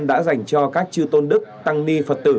đã dành cho các chư tôn đức tăng ni phật tử